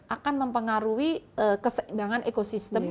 akan mempengaruhi keseimbangan ekosistem